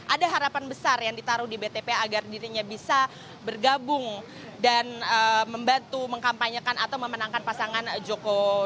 ada harapan besar yang ditaruh di btp agar dirinya bisa bergabung dan membantu mengkampanyekan atau memenangkan pasangan joko widodo